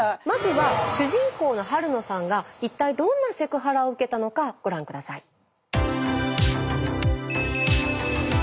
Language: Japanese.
まずは主人公の晴野さんがいったいどんなセクハラを受けたのかご覧下さい。